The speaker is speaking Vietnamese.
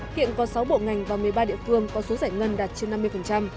hiện có sáu bộ ngành và một mươi ba địa phương có số giải ngân đạt trên năm mươi